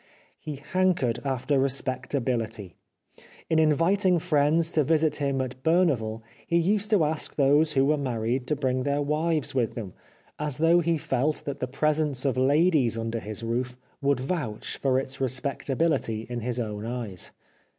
He hankered after respectability. In inviting friends to visit him at Berneval he used to ask those who were married to bring their wdves with them, as though he felt that presence the of ladies under his roof would vouch for its respectability in his own eyes.